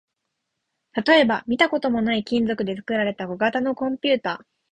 例えば、見たこともない金属で作られた小型のコンピュータ